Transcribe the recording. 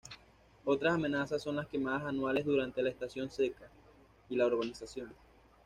Otras amenazas son las quemadas anuales durante la estación seca, y la urbanización.